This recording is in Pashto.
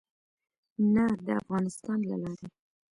نه د افغانستان له لارې.